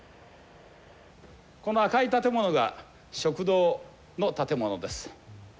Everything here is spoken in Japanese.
この赤い建物が食堂の建物です。